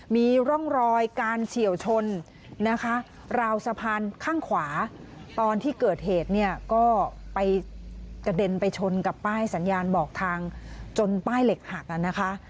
มีร่องรอยการเฉียวชนนะคะราวสะพานข้างขวาตอนที่เกิดเหตุเนี่ยก็ไปกระเด็นไปชนกับป้ายสัญญาณบอกทางจนป้ายเหล็กหักนะคะ